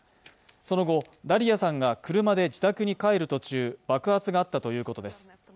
その後、ダリヤさんが車で自宅に帰る途中、爆発があったということです。